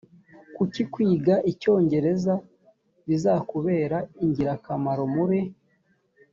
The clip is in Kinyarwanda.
kuki kwiga icyongereza bizakubera ingirakamaro muri